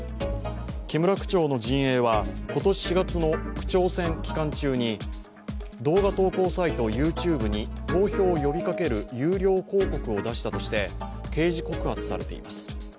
木村区長の陣営は今年４月の区長選期間中に動画投稿サイトＹｏｕＴｕｂｅに投票を呼びかける有料広告を出したとして刑事告発されています。